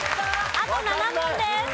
あと７問です。